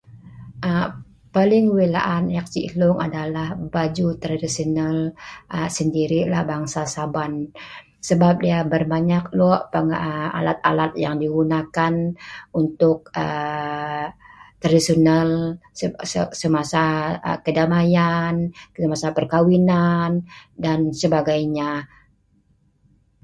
Paling Wei laan eek ya la baju traditional sendiri bangsa saban.sebeb lok alat alat yang Di gunakan tuk traditional semasa keramayan , perkawinan dan sebagainya.